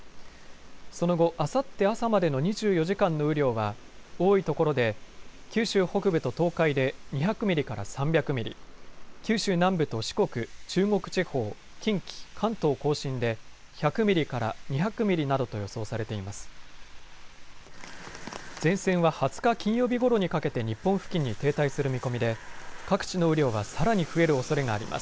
その後、あさって朝までの２４時間の雨量は多いところで九州北部と東海で２００ミリから３００ミリ、九州南部と四国、中国地方、近畿、関東甲信で１００ミリから２００ミリなどと予想されています。